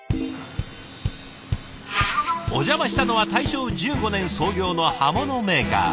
お邪魔したのは大正１５年創業の刃物メーカー。